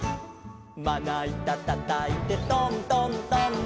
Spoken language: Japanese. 「まないたたたいてトントントン」